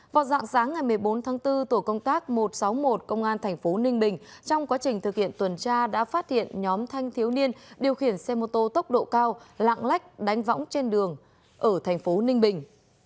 vào dạng sáng ngày một mươi bốn tháng bốn tổ công tác một trăm sáu mươi một công an thành phố ninh bình trong quá trình thực hiện tuần tra đã phát hiện nhóm thanh thiếu niên điều khiển xe mô tô tốc độ cao lạng lách đánh võng trên đường ở thành phố ninh bình